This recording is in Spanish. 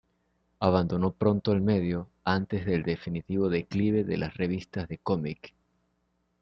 Abandonó pronto el medio, antes del definitivo declive de las revistas de cómic.